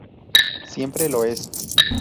Siempre lo es"".